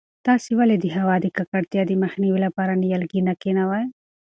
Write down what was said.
تاسې ولې د هوا د ککړتیا د مخنیوي لپاره نیالګي نه کښېنوئ؟